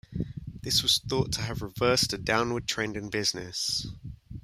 This was thought to have reversed a downward trend in business.